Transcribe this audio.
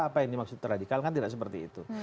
apa yang dimaksud radikal kan tidak seperti itu